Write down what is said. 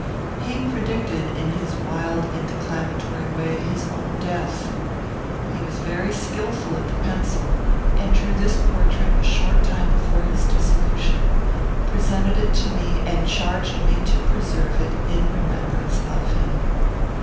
He predicted, in his wild and declamatory way, his own death. He was very skilful at the pencil, and drew this portrait a short time before his dissolution, presented it to me, and charged me to preserve it in remembrance of him.